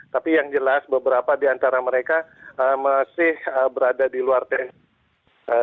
tapi yang jelas beberapa di antara mereka masih berada di luar tni